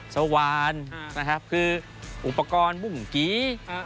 สวรรค์นะครับคืออุปกรณ์บุหร์กรี